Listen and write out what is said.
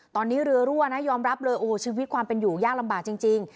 ตอนนี้เรือรั่วนะยอมรับเลยโอ้โหชีวิตความเป็นอยู่ยากลำบากจริง